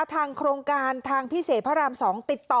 ทางโครงการถามพิเศษพระรามศูนย์รับต่อ